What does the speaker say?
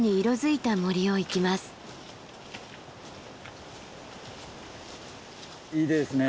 いいですね